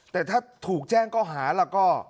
แต่ถ้าถูกแจ้งก็หาล่ะก็